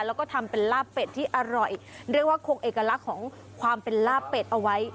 แล้วก็ทำเป็นลาบเป็ดที่อร่อยเรียกว่าคงเอกลักษณ์ของความเป็นลาบเป็ดเอาไว้